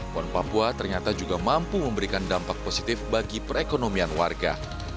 pon papua ternyata juga mampu memberikan dampak positif bagi perekonomian warga